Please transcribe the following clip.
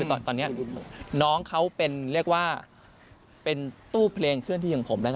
ไว้เขาเป็นเป็นตู้เพลงเพื่อนที่ของผม